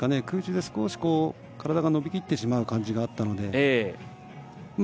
空中で少し体が伸びきってしまう感じがあったので。